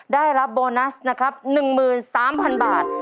ได้รับโบนัสนะครับหนึ่งหมื่นสามพันบาท